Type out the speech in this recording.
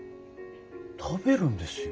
食べるんですよ。